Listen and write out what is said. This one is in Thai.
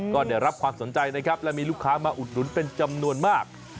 ก็ได้รับความสนใจนะครับและมีลูกค้ามาอุดหนุนเป็นจำนวนมาก